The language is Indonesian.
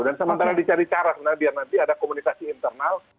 sementara dicari cara sebenarnya biar nanti ada komunikasi internal